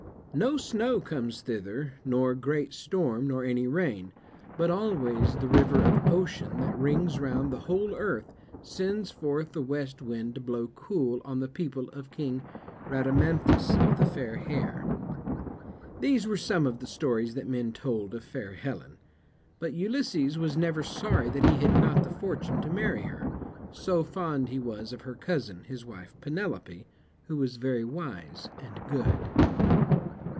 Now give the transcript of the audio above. No snow comes thither, nor great storm, nor any rain; but always the river of Ocean that rings round the whole earth sends forth the west wind to blow cool on the people of King Rhadamanthus of the fair hair. These were some of the stories that men told of fair Helen, but Ulysses was never sorry that he had not the fortune to marry her, so fond he was of her cousin, his wife, Penelope, who was very wise and good.